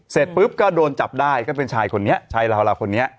เสร็จปุ๊บก็โดนจับได้ก็เป็นชายคนนี้ชายลาวคนนี้